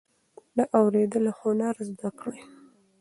د اوریدلو هنر زده کړئ.